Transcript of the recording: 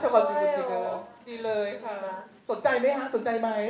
โอเคสนใจไหมสนใจไหม